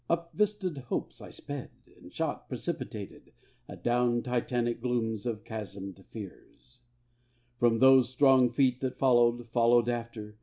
Up vistaed hopes I sped; And shot, precipitated, Adown Titanic glooms of chasmèd fears, From those strong Feet that followed, followed after.